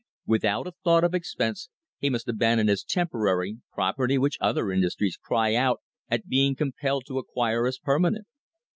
Without a thought of expense he must abandon as temporary, property which other industries cry out at being compelled to acquire as permanent.